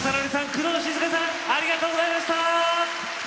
工藤静香さんありがとうございました。